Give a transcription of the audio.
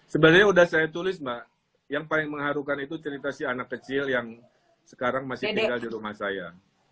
sebenarnya sudah saya tulis mbak yang paling mengharukan itu cerita si anak kecil yang sekarang masih tinggal di rumah saya